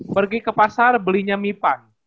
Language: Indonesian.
pergi ke pasar belinya mipang